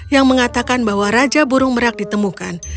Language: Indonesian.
yang mengatakan bahwa raja burung merak ditemukan